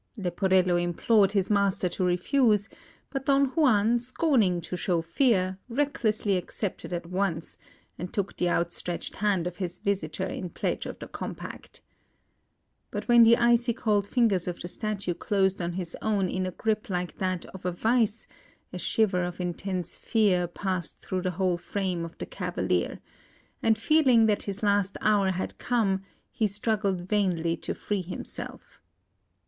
Leporello implored his master to refuse; but Don Juan, scorning to show fear, recklessly accepted at once, and took the outstretched hand of his visitor in pledge of the compact. But when the icy cold fingers of the Statue closed on his own in a grip like that of a vice, a shiver of intense fear passed through the whole frame of the cavalier; and feeling that his last hour had come, he struggled vainly to free himself.